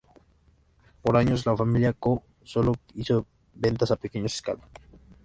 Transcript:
Por años, la familia Koo solo hizo ventas a pequeña escala.